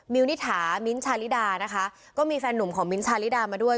วนิษฐามิ้นท์ชาลิดานะคะก็มีแฟนหนุ่มของมิ้นทชาลิดามาด้วย